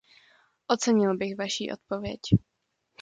Ocenil bych vaši odpověď.